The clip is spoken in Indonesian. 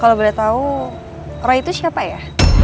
kalau boleh tahu roy itu siapa ya